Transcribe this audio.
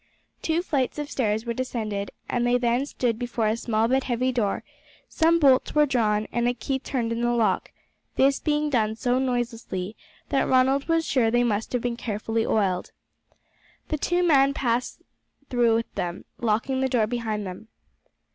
Two flights of stairs were descended, and then they stood before a small but heavy door; some bolts were drawn and a key turned in the lock, this being done so noiselessly that Ronald was sure they must have been carefully oiled. The two men passed through with them, locking the door behind them.